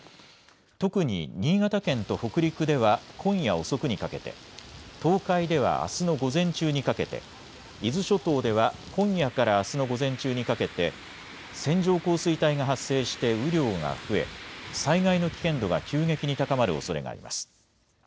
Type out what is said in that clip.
特に新潟県と北陸では今夜遅くにかけて、東海ではあすの午前中にかけて、伊豆諸島では今夜からあすの午前中にかけて線状降水帯が発生して雨量が増え災害の危険度が急激に高まるおそれがあります。